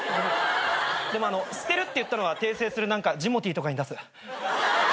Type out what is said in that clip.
でも捨てるって言ったのは訂正するジモティーとかに出す。